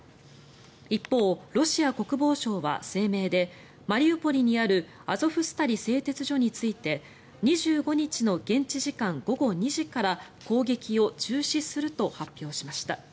一方、ロシア国防省は声明でマリウポリにあるアゾフスタリ製鉄所について２５日の現地時間午後２時から攻撃を中止すると発表しました。